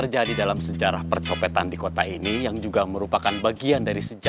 jagat mujeres dan tough guys